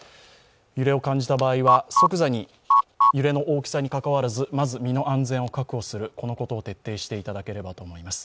揺れを感じた場合は即座に揺れの大きさに関わらず、まず身の安全を確保する、このことを徹底していただければと思います。